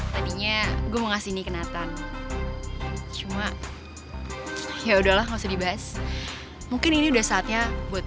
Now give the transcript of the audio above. tadinya gua ngasih ini kenatan cuma ya udahlah nggak dibahas mungkin ini udah saatnya buat